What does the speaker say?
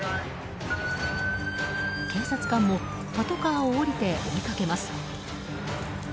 警察官もパトカーを降りて追いかけます。